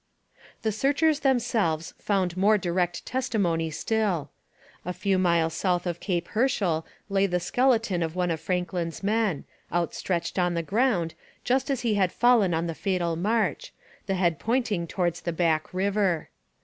The searchers themselves found more direct testimony still. A few miles south of Cape Herschel lay the skeleton of one of Franklin's men, outstretched on the ground, just as he had fallen on the fatal march, the head pointing towards the Back river.